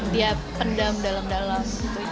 dia pendam dalam dalam